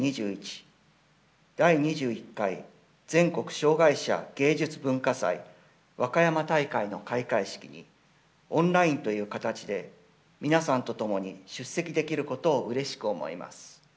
障害者芸術・文化祭わかやま大会」の開会式にオンラインという形で皆さんと共に出席できることをうれしく思います。